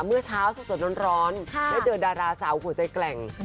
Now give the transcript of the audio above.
เมื่อเช้าสดร้อนได้เจอดาราสาวหัวใจแกร่ง